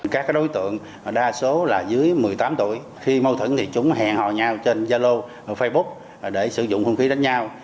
các đối tượng đa số là dưới một mươi tám tuổi khi mâu thuẫn thì chúng hẹn hò nhau trên zalo facebook để sử dụng hương khí đánh nhau